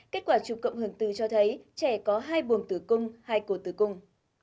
kết quả chụp cộng hưởng từ cho thấy trẻ có hai buồng tử cung hai cổ tử cung